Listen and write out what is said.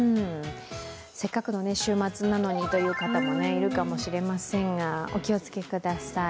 せっかくの週末なのにという方もいるかもしれませんがお気をつけください。